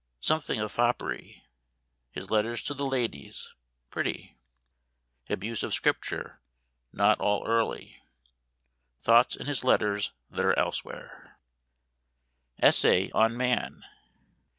_. Something of foppery. His letters to the ladies pretty. Abuse of Scripture not all early. Thoughts in his letters that are elsewhere. ESSAY ON MAN.